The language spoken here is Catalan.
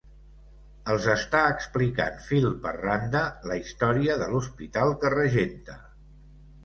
Els està explicant fil per randa la història de l'hospital que regenta.